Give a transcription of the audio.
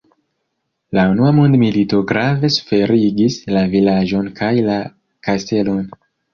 La unua mondmilito grave suferigis la vilaĝon kaj la kastelon.